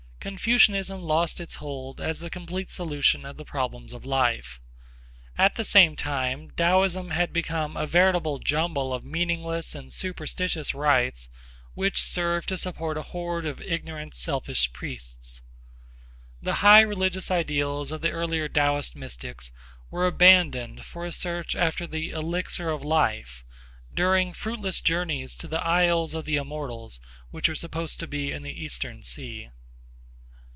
Confucianism lost its hold as the complete solution of the problems of life. At the same time Taoism had become a veritable jumble of meaningless and superstitious rites which served to support a horde of ignorant, selfish priests. The high religious ideals of the earlier Taoist mystics were abandoned for a search after the elixir of life during fruitless journeys to the isles of the Immortals which were supposed to be in the Eastern Sea.